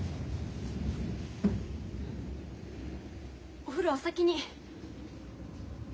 お風呂お先に。